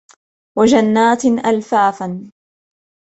وَجَنَّاتٍ أَلْفَافًا